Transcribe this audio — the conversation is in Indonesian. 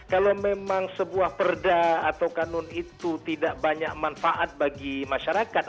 kalau memang sebuah perda atau kanun itu tidak banyak manfaat bagi masyarakat